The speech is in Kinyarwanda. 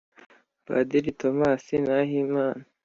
Padiri Thomas Nahimana